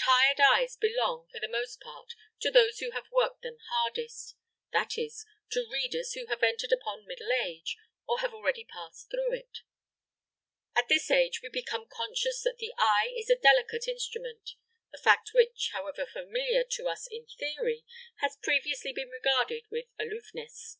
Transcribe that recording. Tired eyes belong, for the most part, to those who have worked them hardest; that is, to readers who have entered upon middle age or have already passed through it. At this age we become conscious that the eye is a delicate instrument a fact which, however familiar to us in theory, has previously been regarded with aloofness.